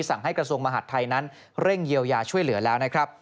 สั่งให้กระทรวงมหัฒน์ไทยเร่งเยี่ยวยาช่วยเหลือแล้ว